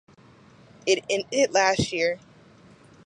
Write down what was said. It ended in the last.